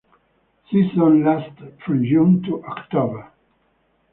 Season lasts from June to October.